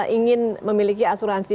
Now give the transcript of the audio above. ingin memiliki asuransi